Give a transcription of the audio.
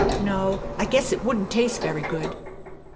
No, I guess it wouldn't taste very good."